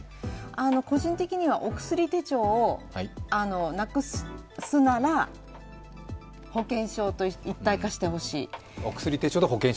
個人的にはお薬手帳をなくすなら、保険証と一体化してほしい。